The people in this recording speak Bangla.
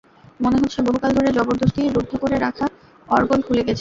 মনে হচ্ছে, বহুকাল ধরে জবরদস্তি রুদ্ধ করে রাখা অর্গল খুলে গেছে।